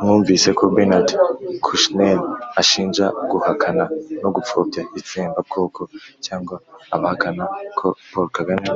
mwumvise ko bernard kouchner ashinja guhakana no gupfobya itsembabwoko cyangwa abahakana ko paul kagame